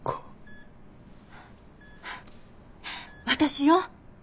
私よ。